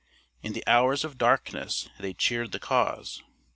In the hours of darkness they cheered the cause.